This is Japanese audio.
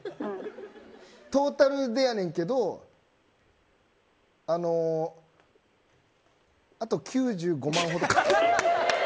トータルでやねんけどあと９５万ほど。